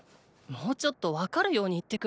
もうちょっと分かるように言ってくれよ。